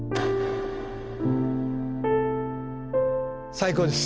最高です。